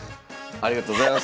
ありがとうございます。